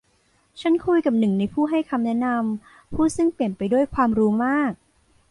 ฉันคุยกับหนึ่งในผู้ให้คำแนะนำ ผู้ซึ่งเปี่ยมไปด้วยความรู้มาก